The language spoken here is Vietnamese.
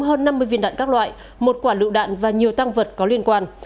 hơn năm mươi viên đạn các loại một quả lựu đạn và nhiều tăng vật có liên quan